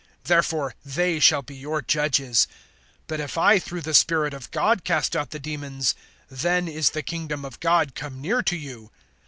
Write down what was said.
Therefore they shall be your judges. (28)But if I through the Spirit of God cast out the demons, then is the kingdom of God come near to you.